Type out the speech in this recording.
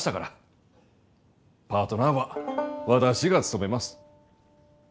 パートナーは私が務めます。